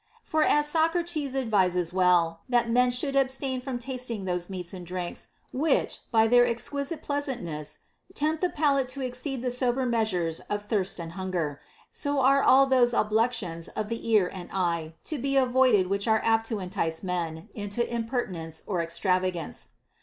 For as Socrates advises well, that men should abstain from tasting those meats and drinks which, by their exquisite pleasantness, tempt the palate to exceed the sober measures of thirst and hunger, so are all those oblectations of the ear and eye to be avoided which are apt to entice men into imper tinence or extravagance.